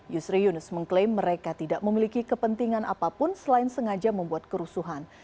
yusri yunus mengklaim mereka tidak memiliki kepentingan apapun selain sengaja membuat kerusuhan